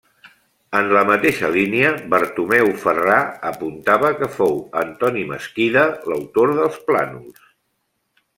En la mateixa línia Bartomeu Ferrà apuntava que fou Antoni Mesquida l'autor dels plànols.